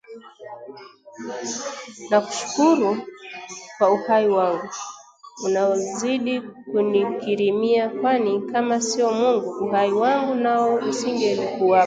nakushukuru kwa uhai wangu unaozidi kunikirimia kwani kama sio Mungu uhai wangu nao usingalikuwapo